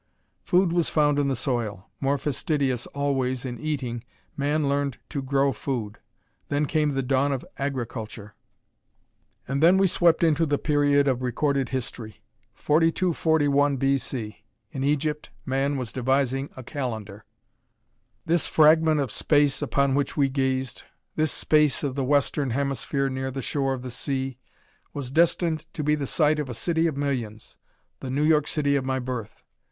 Food was found in the soil. More fastidious always, in eating, man learned to grow food. Then came the dawn of agriculture. And then we swept into the period of recorded history. 4241 B. C. In Egypt, man was devising a calendar.... This fragment of space upon which we gazed this space of the Western Hemisphere near the shore of the sea was destined to be the site of a city of millions the New York City of my birth.